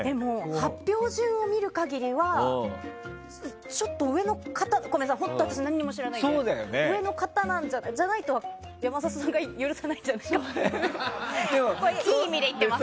発表順を見る限りではごめんなさい、本当に私は何も知らないんですけど上の方じゃないと、山里さんが許さないんじゃないかなと。